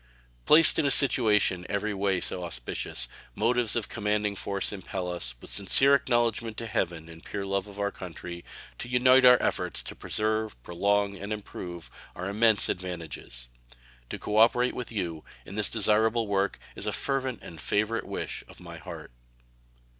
Placed in a situation every way so auspicious, motives of commanding force impel us, with sincere acknowledgment to Heaven and pure love to our country, to unite our efforts to preserve, prolong, and improve our immense advantages. To cooperate with you in this desirable work is a fervent and favorite wish of my heart.